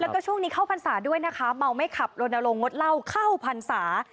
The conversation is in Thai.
แล้วก็ช่วงนี้เข้าพรรษาด้วยนะคะเมาไม่ขับลนลงงดเหล้าเข้าพรรษา